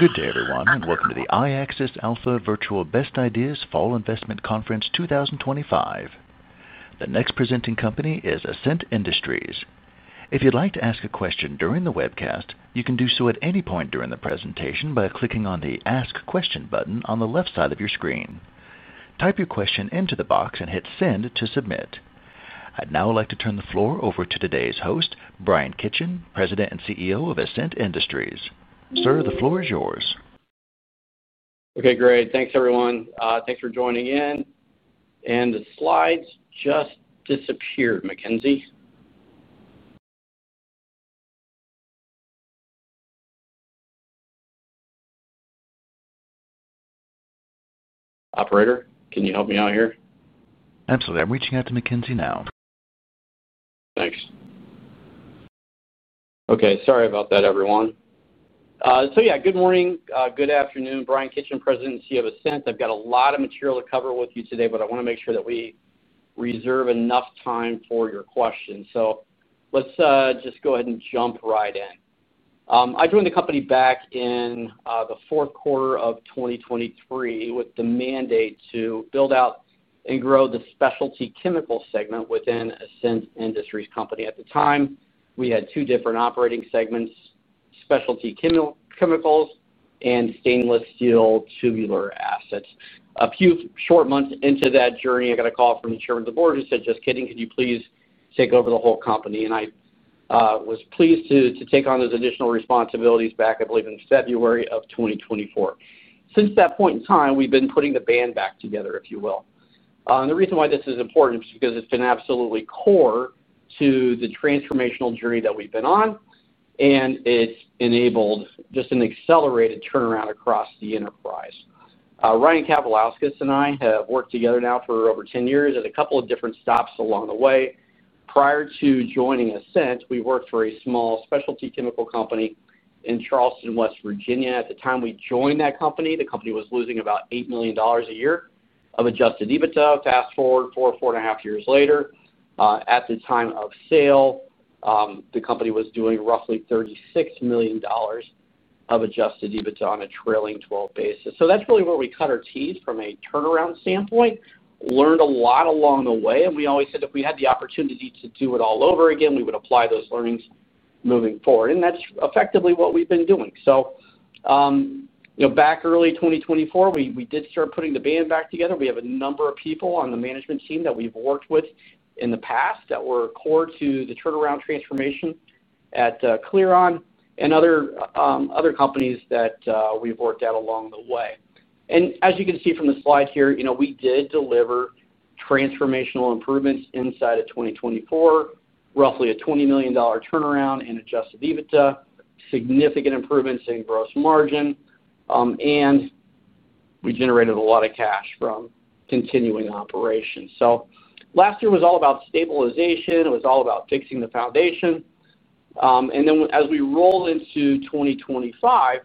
Good day, everyone, and welcome to the Iaxis Alpha Virtual Best Ideas Fall Investment Conference 2025. The next presenting company is Ascent Industries Co. If you'd like to ask a question during the webcast, you can do so at any point during the presentation by clicking on the Ask Question button on the left side of your screen. Type your question into the box and hit Send to submit. I'd now like to turn the floor over to today's host, Bryan Kitchen, President and CEO of Ascent Industries Co. Sir, the floor is yours. Okay, great. Thanks, everyone. Thanks for joining in. The slides just disappeared. McKenzie. Operator, can you help me out here? Absolutely. I'm reaching out to McKenzie now. Thanks. Okay, sorry about that, everyone. Yeah, good morning, good afternoon, Bryan Kitchen, President and CEO of Ascent. I've got a lot of material to cover with you today, but I want to make sure that we reserve enough time for your questions. Let's just go ahead and jump right in. I joined the company back in the fourth quarter of 2023 with the mandate to build out and grow the specialty chemical segment within Ascent Industries Co. At the time, we had two different operating segments: specialty chemicals and stainless steel tubular assets. A few short months into that journey, I got a call from the Chairman of the Board who said, "Just kidding, could you please take over the whole company?" I was pleased to take on those additional responsibilities back, I believe, in February of 2024. Since that point in time, we've been putting the band back together, if you will. The reason why this is important is because it's been absolutely core to the transformational journey that we've been on, and it's enabled just an accelerated turnaround across the enterprise. Ryan Kavalauskas and I have worked together now for over 10 years at a couple of different stops along the way. Prior to joining Ascent, we worked for a small specialty chemical company in Charleston, West Virginia. At the time we joined that company, the company was losing about $8 million a year of adjusted EBITDA. Fast forward four, four and a half years later, at the time of sale, the company was doing roughly $36 million of adjusted EBITDA on a trailing 12 basis. That's really where we cut our teeth from a turnaround standpoint. Learned a lot along the way, and we always said if we had the opportunity to do it all over again, we would apply those learnings moving forward. That's effectively what we've been doing. Back early 2024, we did start putting the band back together. We have a number of people on the management team that we've worked with in the past that were core to the turnaround transformation at Clearon and other companies that we've worked at along the way. As you can see from the slide here, we did deliver transformational improvements inside of 2024, roughly a $20 million turnaround in adjusted EBITDA, significant improvements in gross margin, and we generated a lot of cash from continuing operations. Last year was all about stabilization. It was all about fixing the foundation. As we roll into 2025,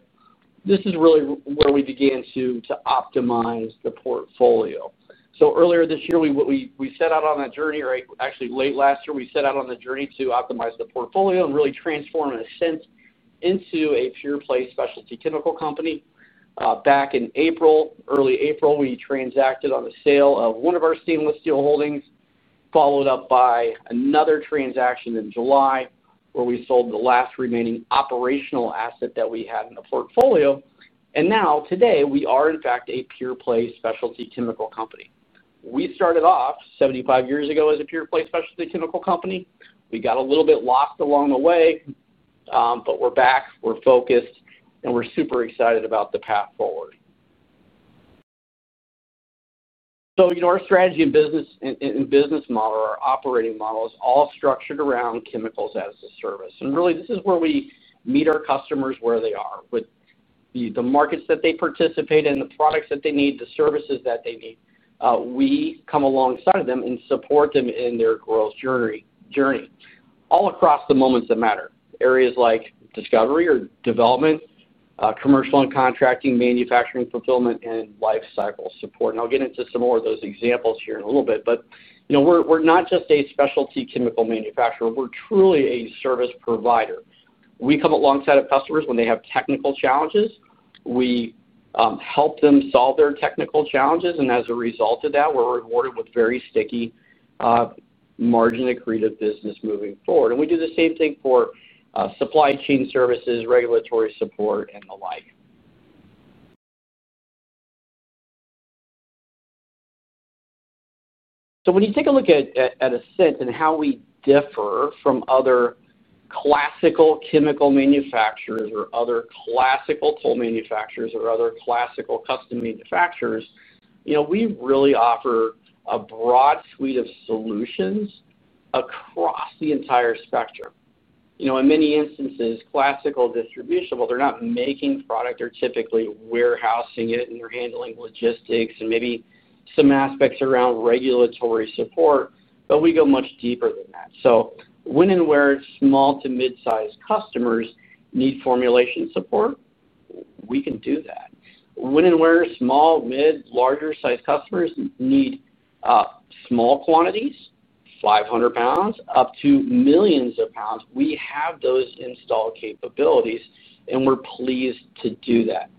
this is really where we began to optimize the portfolio. Earlier this year, we set out on that journey, right? Actually, late last year, we set out on the journey to optimize the portfolio and really transform Ascent Industries Co. into a pure-play specialty chemical company. Back in April, early April, we transacted on a sale of one of our stainless steel holdings, followed up by another transaction in July where we sold the last remaining operational asset that we had in the portfolio. Now today, we are, in fact, a pure-play specialty chemical company. We started off 75 years ago as a pure-play specialty chemical company. We got a little bit lost along the way, but we're back, we're focused, and we're super excited about the path forward. Our strategy and business and business model are operating models all structured around chemicals as a service. This is where we meet our customers where they are, with the markets that they participate in, the products that they need, the services that they need. We come alongside them and support them in their growth journey, all across the moments that matter, areas like discovery or development, commercial and contracting, manufacturing, fulfillment, and lifecycle support. I'll get into some more of those examples here in a little bit. We're not just a specialty chemical manufacturer. We're truly a service provider. We come alongside our customers when they have technical challenges. We help them solve their technical challenges. As a result of that, we're rewarded with very sticky margin to create a business moving forward. We do the same thing for supply chain services, regulatory support, and the like. When you take a look at Ascent Industries Co. and how we differ from other classical chemical manufacturers or other classical tool manufacturers or other classical custom manufacturers, we really offer a broad suite of solutions across the entire spectrum. In many instances, classical distribution, well, they're not making product. They're typically warehousing it and they're handling logistics and maybe some aspects around regulatory support. We go much deeper than that. When and where small to mid-sized customers need formulation support, we can do that. When and where small, mid, larger sized customers need small quantities, 500 pounds up to millions of pounds, we have those install capabilities, and we're pleased to do that.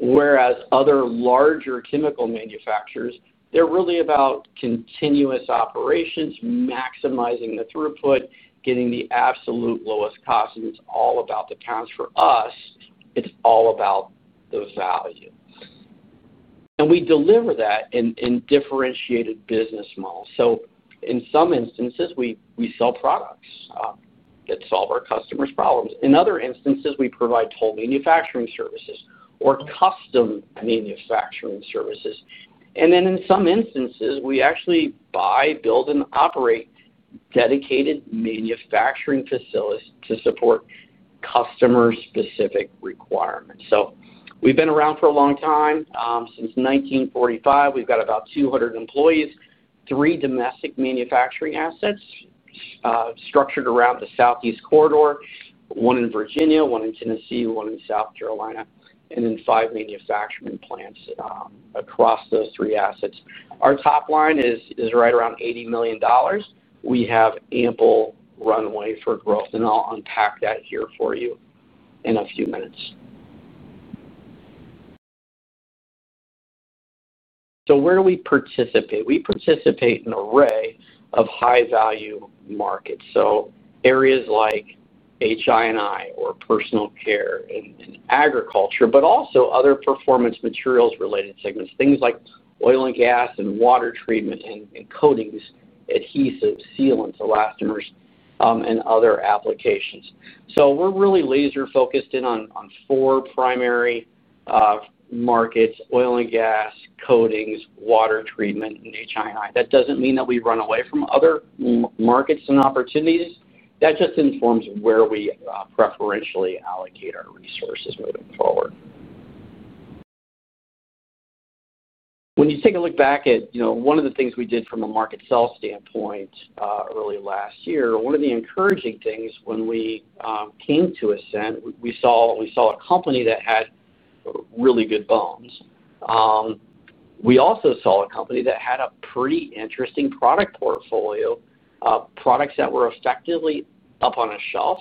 Whereas other larger chemical manufacturers are really about continuous operations, maximizing the throughput, getting the absolute lowest cost, and it's all about the pounds. For us, it's all about the value. We deliver that in differentiated business models. In some instances, we sell products that solve our customers' problems. In other instances, we provide tool manufacturing services or custom manufacturing services. In some instances, we actually buy, build, and operate dedicated manufacturing facilities to support customer-specific requirements. We've been around for a long time, since 1945. We've got about 200 employees, three domestic manufacturing assets structured around the Southeast Corridor, one in Virginia, one in Tennessee, one in South Carolina, and five manufacturing plants across those three assets. Our top line is right around $80 million. We have ample runway for growth, and I'll unpack that here for you in a few minutes. We participate in an array of high-value markets, areas like HI&I or personal care and agriculture, but also other performance materials related segments, things like oil and gas and water treatment and coatings, adhesives, sealants, elastomers, and other applications. We're really laser-focused in on four primary markets: oil and gas, coatings, water treatment, and HI&I. That doesn't mean that we run away from other markets and opportunities. That just informs where we preferentially allocate our resources moving forward. When you take a look back at one of the things we did from a market sell standpoint early last year, one of the encouraging things when we came to Ascent Industries Co., we saw a company that had really good bones. We also saw a company that had a pretty interesting product portfolio, products that were effectively up on a shelf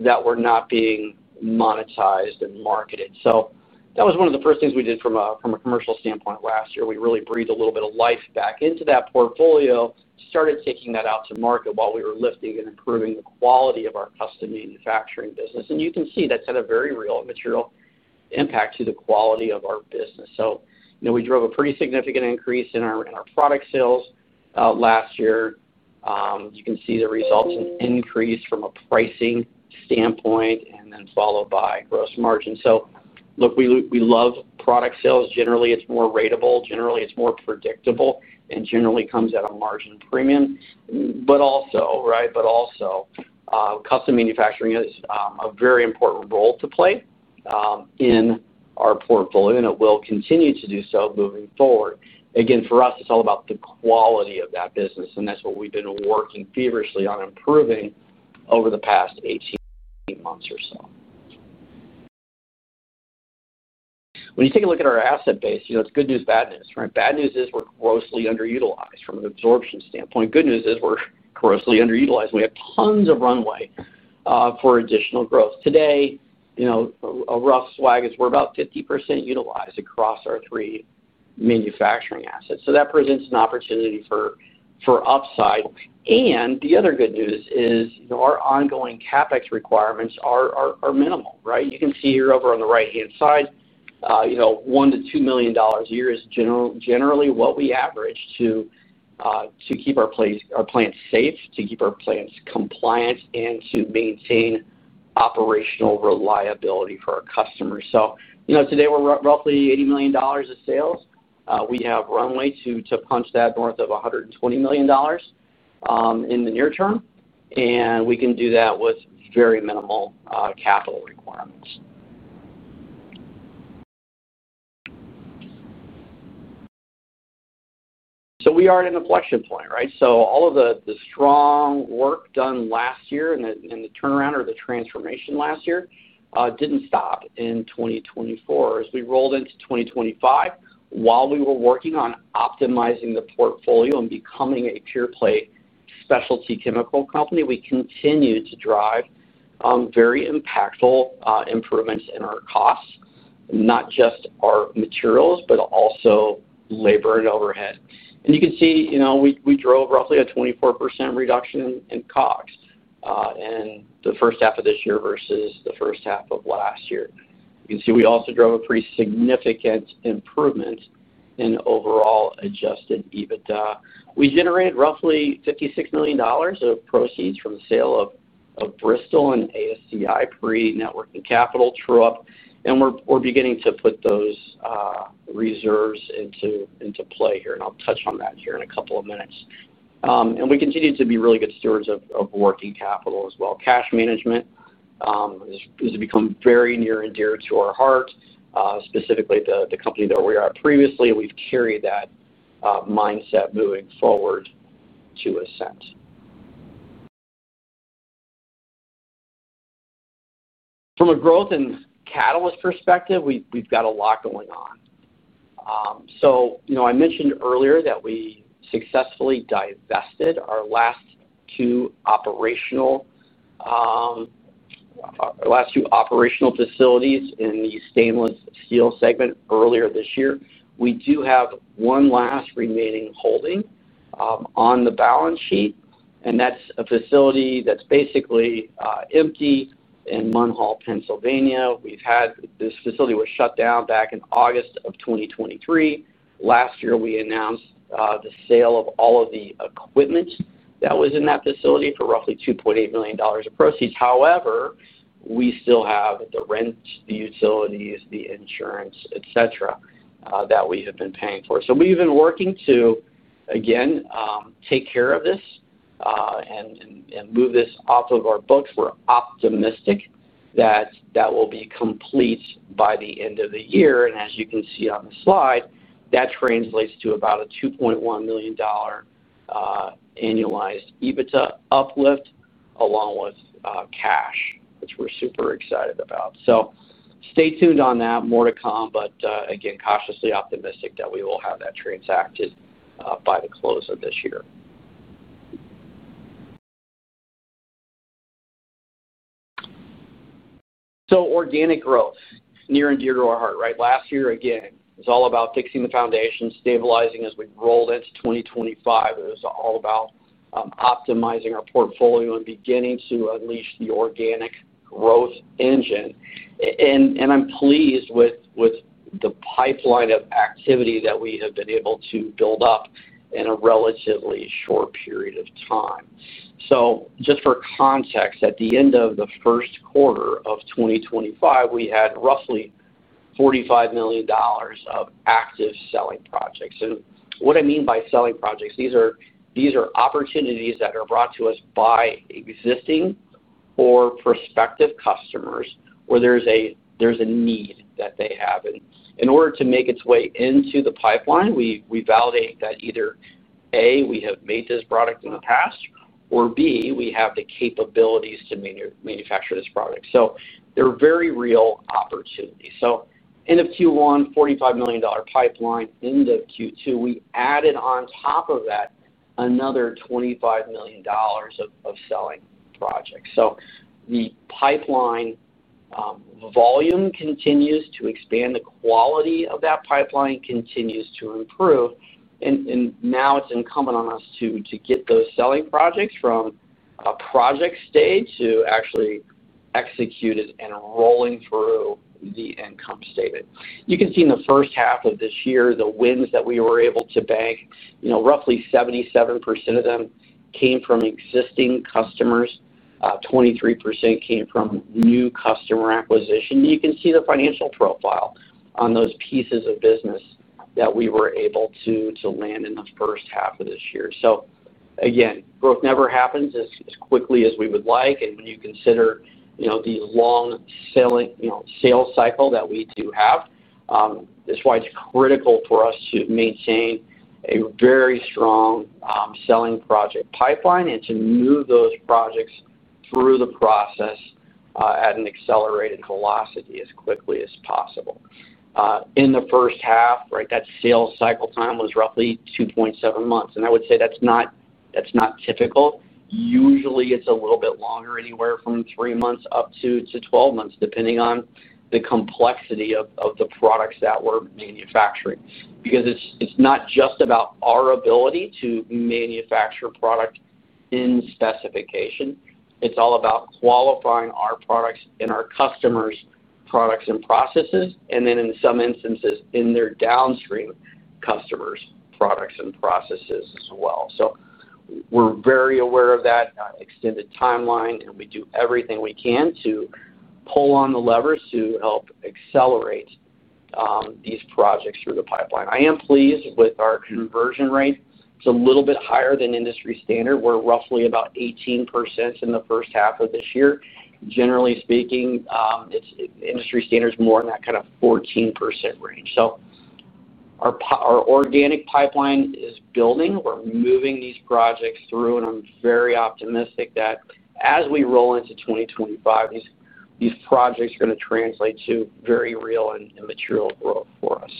that were not being monetized and marketed. That was one of the first things we did from a commercial standpoint last year. We really breathed a little bit of life back into that portfolio, started taking that out to market while we were lifting and improving the quality of our custom manufacturing business. You can see that's had a very real material impact to the quality of our business. We drove a pretty significant increase in our product sales last year. You can see the results increase from a pricing standpoint and then followed by gross margin. We love product sales. Generally, it's more ratable, generally, it's more predictable, and generally comes at a margin premium. Also, custom manufacturing is a very important role to play in our portfolio, and it will continue to do so moving forward. Again, for us, it's all about the quality of that business, and that's what we've been working feverishly on improving over the past 18 months or so. When you take a look at our asset base, it's good news, bad news, right? Bad news is we're grossly underutilized from an absorption standpoint. Good news is we're grossly underutilized. We have tons of runway for additional growth. Today, a rough swag is we're about 50% utilized across our three manufacturing assets. That presents an opportunity for upside. The other good news is our ongoing CapEx requirements are minimal. You can see here over on the right-hand side, $1 million to $2 million a year is generally what we average to keep our plants safe, to keep our plants compliant, and to maintain operational reliability for our customers. Today we're roughly $80 million of sales. We have runway to punch that north of $120 million in the near term, and we can do that with very minimal capital requirements. We are at an inflection point, right? All of the strong work done last year and the turnaround or the transformation last year didn't stop in 2024. As we rolled into 2025, while we were working on optimizing the portfolio and becoming a pure-play specialty chemical company, we continued to drive very impactful improvements in our costs, not just our materials, but also labor and overhead. You can see we drove roughly a 24% reduction in cost in the first half of this year versus the first half of last year. You can see we also drove a pretty significant improvement in overall adjusted EBITDA. We generated roughly $56 million of proceeds from the sale of Bristol and ASCI pre-networking capital true up, and we're beginning to put those reserves into play here. I'll touch on that here in a couple of minutes. We continue to be really good stewards of working capital as well. Cash management has become very near and dear to our heart, specifically the company that we were at previously, and we've carried that mindset moving forward to Ascent. From a growth and catalyst perspective, we've got a lot going on. I mentioned earlier that we successfully divested our last two operational facilities in the stainless steel segment earlier this year. We do have one last remaining holding on the balance sheet, and that's a facility that's basically empty in Munn Hall, Pennsylvania. We've had this facility shut down back in August of 2023. Last year, we announced the sale of all of the equipment that was in that facility for roughly $2.8 million of proceeds. However, we still have the rent, the utilities, the insurance, etc., that we have been paying for. We've been working to, again, take care of this and move this off of our books. We're optimistic that that will be complete by the end of the year. As you can see on the slide, that translates to about a $2.1 million annualized EBITDA uplift along with cash, which we're super excited about. Stay tuned on that. More to come, but again, cautiously optimistic that we will have that transacted by the close of this year. Organic growth, near and dear to our heart, right? Last year, again, it was all about fixing the foundation, stabilizing as we rolled into 2025. It was all about optimizing our portfolio and beginning to unleash the organic growth engine. I'm pleased with the pipeline of activity that we have been able to build up in a relatively short period of time. Just for context, at the end of the first quarter of 2025, we had roughly $45 million of active selling projects. What I mean by selling projects, these are opportunities that are brought to us by existing or prospective customers where there's a need that they have. In order to make its way into the pipeline, we validate that either A, we have made this product in the past, or B, we have the capabilities to manufacture this product. They're very real opportunities. End of Q1, $45 million pipeline, end of Q2, we added on top of that another $25 million of selling projects. The pipeline volume continues to expand. The quality of that pipeline continues to improve. Now it's incumbent on us to get those selling projects from a project stage to actually executed and rolling through the income statement. You can see in the first half of this year, the wins that we were able to bank, roughly 77% of them came from existing customers, 23% came from new customer acquisition. You can see the financial profile on those pieces of business that we were able to land in the first half of this year. Growth never happens as quickly as we would like. When you consider the long sales cycle that we do have, that's why it's critical for us to maintain a very strong selling project pipeline and to move those projects through the process at an accelerated velocity as quickly as possible. In the first half, that sales cycle time was roughly 2.7 months. I would say that's not typical. Usually, it's a little bit longer, anywhere from three months up to 12 months, depending on the complexity of the products that we're manufacturing. It's not just about our ability to manufacture products in specification. It's all about qualifying our products and our customers' products and processes, and then in some instances, in their downstream customers' products and processes as well. We're very aware of that extended timeline, and we do everything we can to pull on the levers to help accelerate these projects through the pipeline. I am pleased with our conversion rate. It's a little bit higher than industry standard. We're roughly about 18% in the first half of this year. Generally speaking, industry standard is more in that kind of 14% range. Our organic pipeline is building. We're moving these projects through, and I'm very optimistic that as we roll into 2025, these projects are going to translate to very real and material growth for us.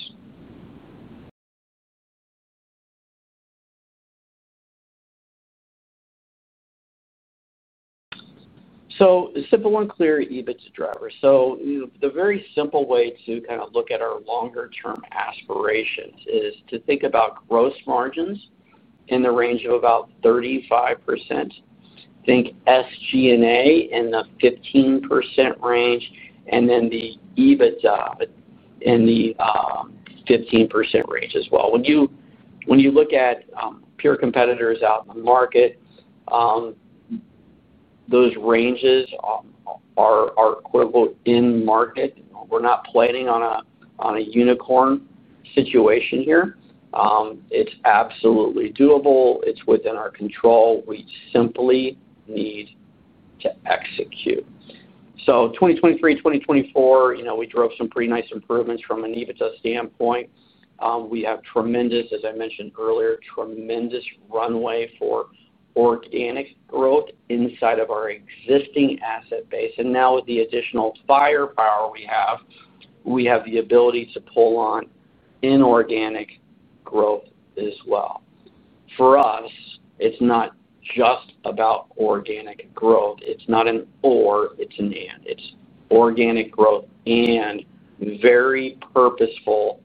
Simple and clear EBITDA drivers. The very simple way to kind of look at our longer-term aspirations is to think about gross margins in the range of about 35%. I think SG&A in the 15% range, and then the EBITDA in the 15% range as well. When you look at pure competitors out in the market, those ranges are quote-unquote "in market." We're not planning on a unicorn situation here. It's absolutely doable. It's within our control. We simply need to execute. In 2023, 2024, we drove some pretty nice improvements from an EBITDA standpoint. We have tremendous, as I mentioned earlier, tremendous runway for organic growth inside of our existing asset base. Now with the additional firepower we have, we have the ability to pull on inorganic growth as well. For us, it's not just about organic growth. It's not an or, it's an and. It's organic growth and very purposeful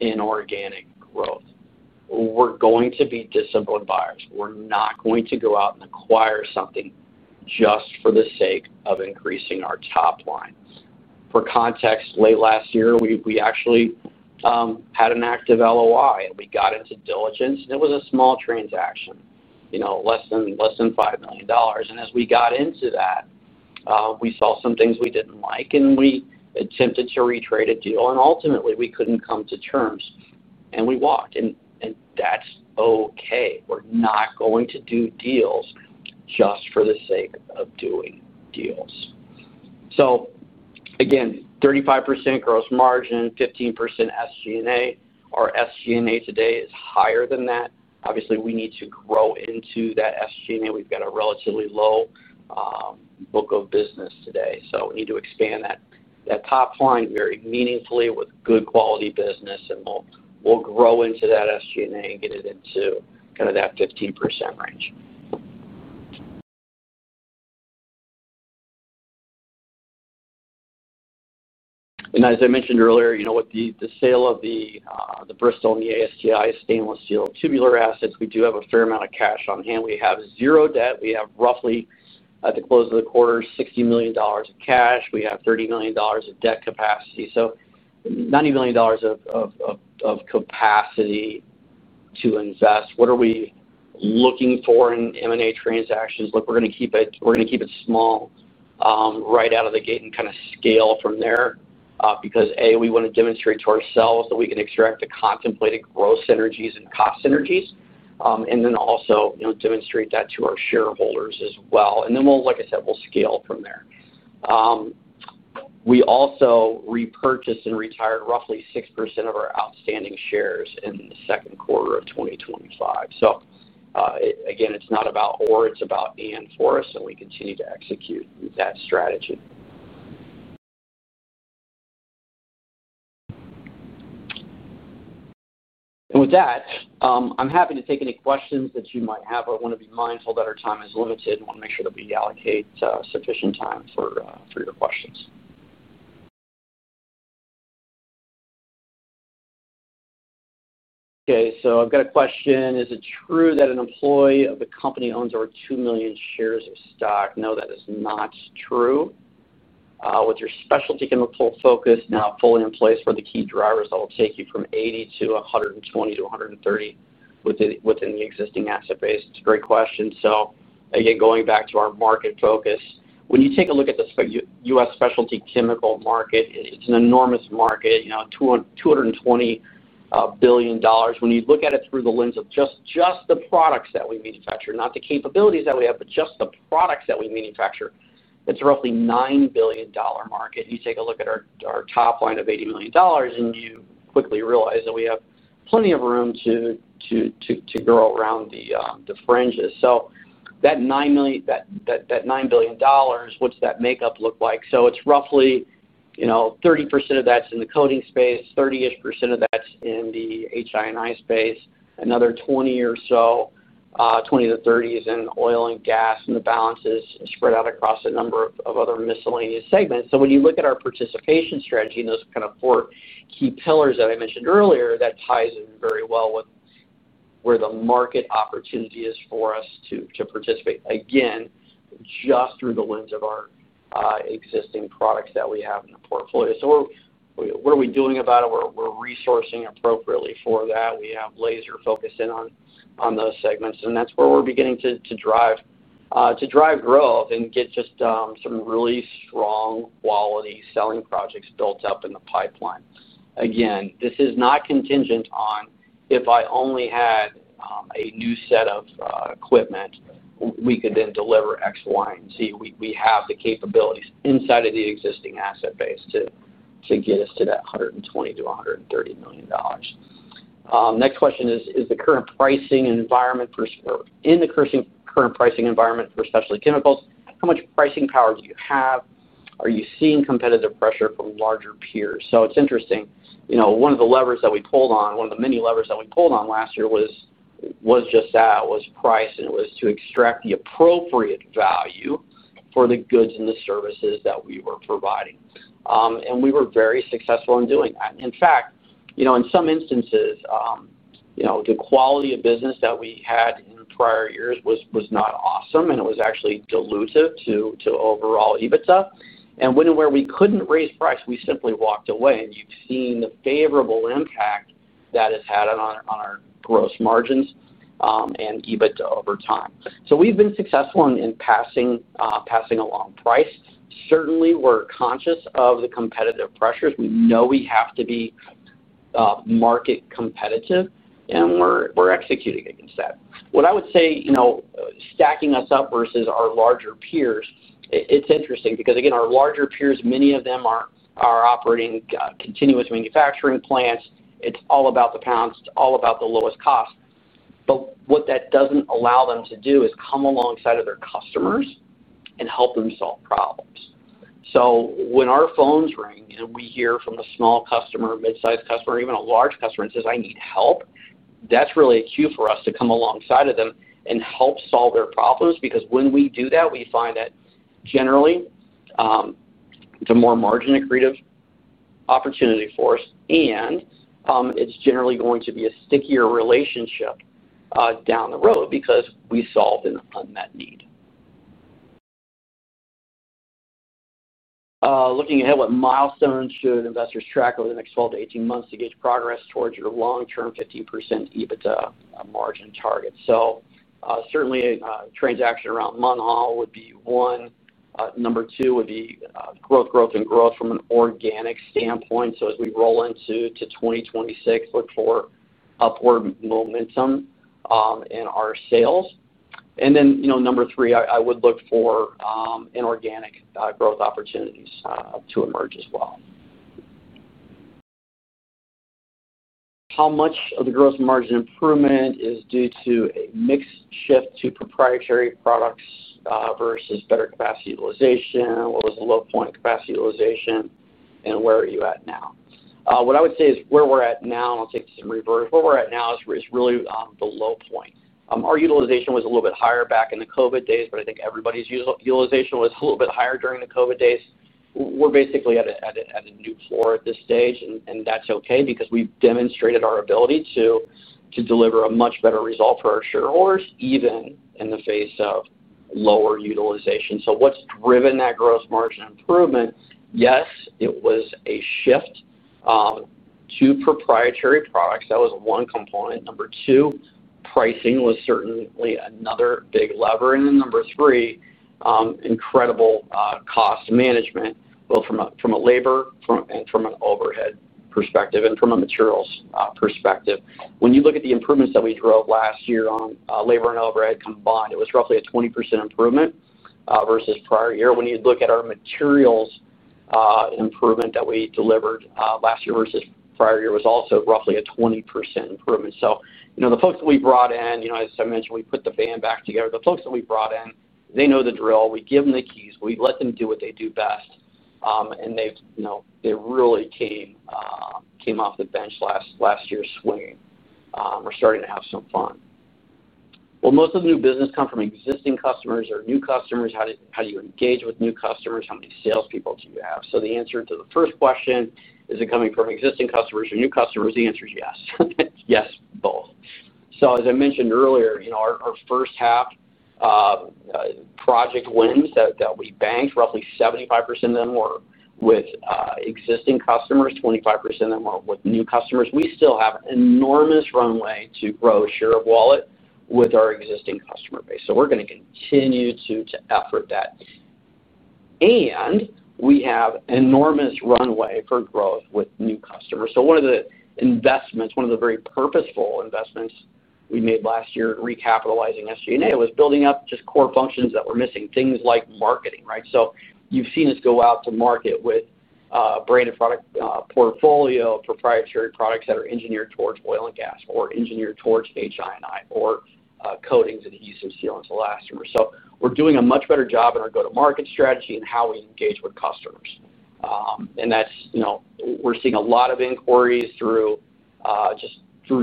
inorganic growth. We're going to be disciplined buyers. We're not going to go out and acquire something just for the sake of increasing our top line. For context, late last year, we actually had an active LOI, and we got into diligence, and it was a small transaction, less than $5 million. As we got into that, we saw some things we didn't like, and we attempted to retrade a deal, and ultimately, we couldn't come to terms, and we walked. That's okay. We're not going to do deals just for the sake of doing deals. Again, 35% gross margin, 15% SG&A. Our SG&A today is higher than that. Obviously, we need to grow into that SG&A. We've got a relatively low book of business today. We need to expand that top line very meaningfully with good quality business, and we'll grow into that SG&A and get it into kind of that 15% range. As I mentioned earlier, with the sale of the Bristol and the Ascent Industries Co. stainless steel tubular assets, we do have a fair amount of cash on hand. We have zero debt. We have roughly, at the close of the quarter, $60 million of cash. We have $30 million of debt capacity. That's $90 million of capacity to invest. What are we looking for in M&A transactions? We're going to keep it small right out of the gate and kind of scale from there because, A, we want to demonstrate to ourselves that we can extract the contemplated growth synergies and cost synergies, and then also demonstrate that to our shareholders as well. We'll scale from there. We also repurchased and retired roughly 6% of our outstanding shares in the second quarter of 2025. Again, it's not about or, it's about and for us, and we continue to execute that strategy. With that, I'm happy to take any questions that you might have. I want to be mindful that our time is limited. I want to make sure that we allocate sufficient time for your questions. Okay, so I've got a question. Is it true that an employee of the company owns over 2 million shares of stock? No, that is not true. With your specialty chemical focus now fully in place, what are the key drivers that will take you from 80 to 120 to 130 within the existing asset base? It's a great question. Again, going back to our market focus, when you take a look at the U.S. specialty chemical market, it's an enormous market, $220 billion. When you look at it through the lens of just the products that we manufacture, not the capabilities that we have, but just the products that we manufacture, it's a roughly $9 billion market. You take a look at our top line of $80 million, and you quickly realize that we have plenty of room to grow around the fringes. That $9 billion, what's that makeup look like? It's roughly 30% of that's in the coating space, 30% of that's in the HI&I space, another 20 or so, 20 to 30% is in oil and gas, and the balance is spread out across a number of other miscellaneous segments. When you look at our participation strategy and those kind of four key pillars that I mentioned earlier, that ties in very well with where the market opportunity is for us to participate, again, just through the lens of our existing products that we have in the portfolio. What are we doing about it? We're resourcing appropriately for that. We have laser focus in on those segments, and that's where we're beginning to drive growth and get just some really strong quality selling projects built up in the pipeline. This is not contingent on if I only had a new set of equipment, we could then deliver X, Y, and Z. We have the capabilities inside of the existing asset base to get us to that $120 to $130 million. Next question is, in the current pricing environment for specialty chemicals, how much pricing power do you have? Are you seeing competitive pressure from larger peers? It's interesting. One of the levers that we pulled on, one of the many levers that we pulled on last year was just that, was price, and it was to extract the appropriate value for the goods and the services that we were providing. We were very successful in doing that. In fact, in some instances, the quality of business that we had in prior years was not awesome, and it was actually dilutive to overall EBITDA. When and where we couldn't raise price, we simply walked away. You've seen the favorable impact that has had on our gross margins and EBITDA over time. We've been successful in passing along price. Certainly, we're conscious of the competitive pressures. We know we have to be market competitive, and we're executing against that. What I would say, stacking us up versus our larger peers, it's interesting because, again, our larger peers, many of them are operating continuous manufacturing plants. It's all about the pounds. It's all about the lowest cost. What that doesn't allow them to do is come alongside their customers and help them solve problems. When our phones ring and we hear from a small customer, mid-sized customer, or even a large customer and they say, "I need help," that's really a cue for us to come alongside them and help solve their problems. When we do that, we find that generally, it's the more margin-accretive opportunity for us, and it's generally going to be a stickier relationship down the road because we solve an unmet need. Looking ahead at what milestones investors should track over the next 12 to 18 months to gauge progress towards our long-term 50% adjusted EBITDA margin target, certainly, a transaction around the Munn Hall property would be one. Number two would be growth, growth, and growth from an organic standpoint. As we roll into 2026, look for upward momentum in our sales. Number three, I would look for inorganic growth opportunities to emerge as well. How much of the gross margin improvement is due to a mix shift to proprietary branded products versus better capacity utilization? What was the low point of capacity utilization, and where are you at now? What I would say is where we're at now, and I'll take this in reverse. Where we're at now is really the low point. Our utilization was a little bit higher back in the COVID days, but I think everybody's utilization was a little bit higher during the COVID days. We're basically at a new floor at this stage, and that's okay because we've demonstrated our ability to deliver a much better result for our shareholders, even in the face of lower utilization. What's driven that gross margin improvement? Yes, it was a shift to proprietary branded products. That was one component. Number two, pricing was certainly another big lever. Number three, incredible cost management, both from a labor and from an overhead perspective and from a materials perspective. When you look at the improvements that we drove last year on labor and overhead combined, it was roughly a 20% improvement versus prior year. When you look at our materials improvement that we delivered last year versus prior year, it was also roughly a 20% improvement. The folks that we brought in, as I mentioned, we put the band back together. The folks that we brought in know the drill. We give them the keys. We let them do what they do best. They've really came off the bench last year swinging or starting to have some fun. Most of the new business comes from existing customers or new customers. How do you engage with new customers? How many salespeople do you have? The answer to the first question, is it coming from existing customers or new customers? The answer is yes. Yes, both. As I mentioned earlier, our first half project wins that we banked, roughly 75% of them were with existing customers, 25% of them were with new customers. We still have enormous runway to grow a share of wallet with our existing customer base. We're going to continue to effort that. We have enormous runway for growth with new customers. One of the investments, one of the very purposeful investments we made last year recapitalizing SG&A was building up just core functions that were missing, things like marketing, right? You've seen us go out to market with a branded product portfolio, proprietary products that are engineered towards oil and gas or engineered towards HI&I or coatings and adhesive sealants, elastomers. We're doing a much better job in our go-to-market strategy and how we engage with customers. We're seeing a lot of inquiries through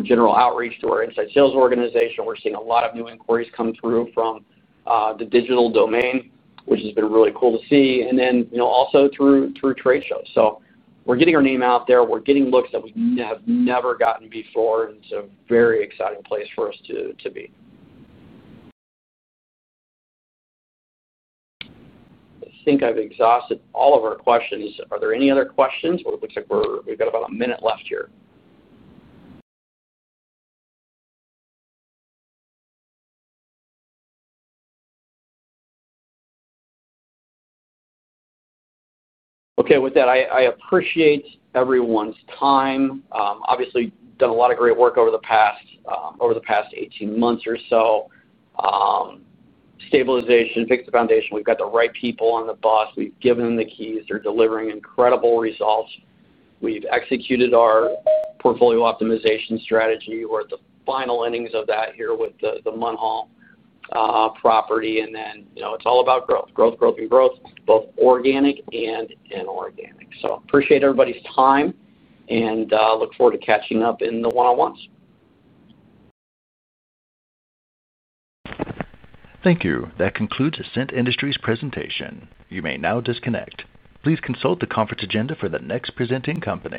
general outreach to our inside sales organization. We're seeing a lot of new inquiries come through from the digital domain, which has been really cool to see. Also through trade shows. We're getting our name out there. We're getting looks that we have never gotten before, and it's a very exciting place for us to be. I think I've exhausted all of our questions. Are there any other questions? It looks like we've got about a minute left here. I appreciate everyone's time. Obviously, done a lot of great work over the past 18 months or so. Stabilization, fix the foundation. We've got the right people on the bus. We've given them the keys. They're delivering incredible results. We've executed our portfolio optimization strategy. We're at the final innings of that here with the Munn Hall property. It's all about growth, growth, growth, and growth, both organic and inorganic. I appreciate everybody's time and look forward to catching up in the one-on-ones. Thank you. That concludes Ascent Industries Co.'s presentation. You may now disconnect. Please consult the conference agenda for the next presenting company.